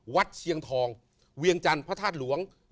วัดเชียงทองเวียงจันทร์พระท่านหลวง